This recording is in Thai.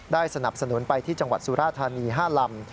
สนับสนุนไปที่จังหวัดสุราธานี๕ลำ